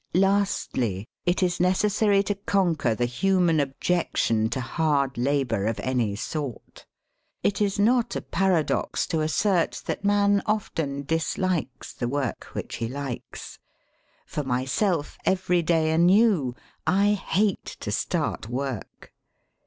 Lastly, it is necessary to conquer the human ob jection to hard labour of any sort. It is not a paradox to assert that man often dislikes the work which he likes. For myself, every day anew, I hate to start work.